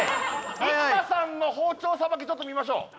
生田さんの包丁さばきちょっと見ましょう。